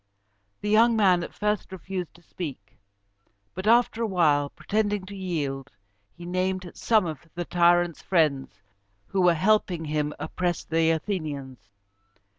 The young man at first refused to speak; but after a while, pretending to yield, he named some of the tyrants' friends who were helping him oppress the Athenians.